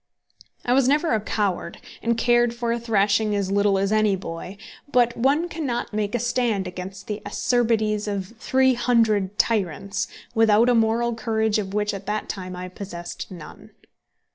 I was never a coward, and cared for a thrashing as little as any boy, but one cannot make a stand against the acerbities of three hundred tyrants without a moral courage of which at that time I possessed none.